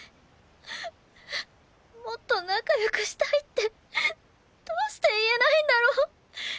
もっと仲良くしたいってどうして言えないんだろう。